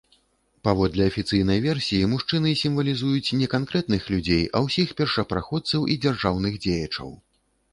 Паводле афіцыйнай версіі мужчыны сімвалізуюць не канкрэтных людзей, а ўсіх першапраходцаў і дзяржаўных дзеячаў.